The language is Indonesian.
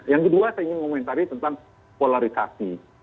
yang kedua saya ingin ngomongin tadi tentang polarisasi